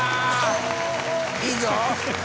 いいぞ！